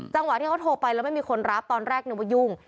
จังหวะที่เขาโทรไปแล้วไม่มีคนรับตอนแรกนึกว่ายุ่ง